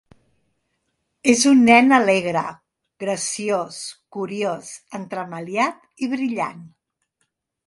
És un nen alegre, graciós, curiós, entremaliat i brillant.